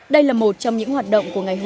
đây là một trong những hoạt động của ngày hội